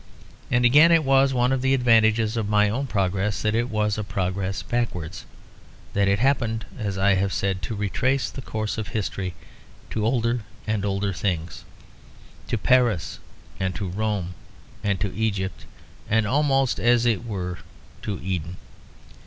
And again it was one of the advantages of my own progress that it was a progress backwards; that it happened, as I have said, to retrace the course of history to older and older things; to Paris and to Rome and to Egypt, and almost, as it were, to Eden.